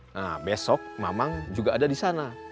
nah besok mamang juga ada di sana